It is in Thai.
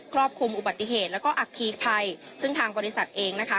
รอบคลุมอุบัติเหตุแล้วก็อัคคีภัยซึ่งทางบริษัทเองนะคะ